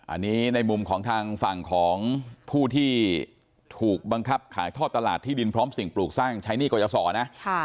อันนี้ในมุมของทางฝั่งของผู้ที่ถูกบังคับขายท่อตลาดที่ดินพร้อมสิ่งปลูกสร้างใช้หนี้กรยาศรนะ